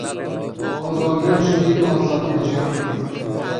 Azadiya jinê azadiya cîhanê ye.